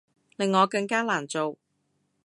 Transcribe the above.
令我更加難做